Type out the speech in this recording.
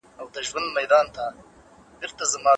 آیا ستاسو په ټولنه کې یووالی شته؟